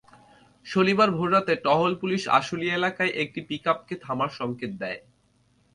শনিবার ভোররাতে টহল পুলিশ আশুলিয়া এলাকায় একটি পিকআপকে থামার সংকেত দেয়।